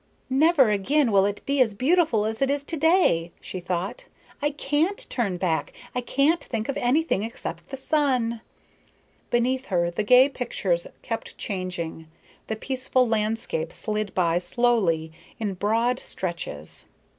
"Never again will it be as beautiful as it is to day," she thought. "I can't turn back. I can't think of anything except the sun." Beneath her the gay pictures kept changing, the peaceful landscape slid by slowly, in broad stretches.